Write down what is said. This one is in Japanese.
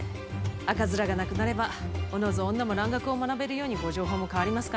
赤面がなくなればおのず女も蘭学を学べるようにご定法も変わりますかね。